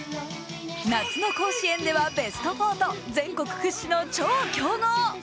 夏の甲子園ではベスト４と全国屈指の超強豪。